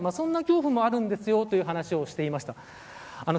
そんな恐怖もあるんですよという話をしていました。